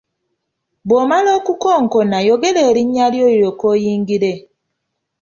Bw’omala okukonkona yogera erinnya lyo olyoke oyingire.